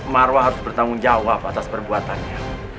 marwah harus bertanggung jawab atas perbuatannya